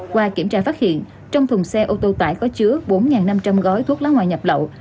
qua kiểm tra phát hiện trong thùng xe ô tô tải có chứa bốn năm trăm linh gói thuốc lá ngoại nhập lậu